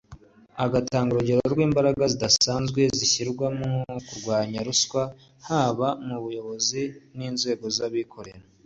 agatanga urugero rw’imbaraga zidasanzwe zishyirwa mu kurwanya ruswa haba mu bayobozi b’inzego za Leta n’abikorera